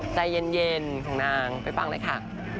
ใจเย็นของนางไปฟังเลยค่ะ